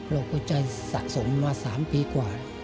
หัวใจสะสมมา๓ปีกว่า